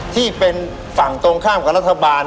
ที่เป็นฝั่งตรงข้ามกับรัฐบาล